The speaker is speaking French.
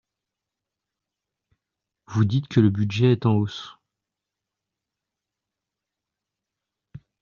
Vous dites que le budget est en hausse.